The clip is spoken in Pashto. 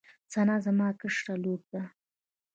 ثنا زما کشره لور ده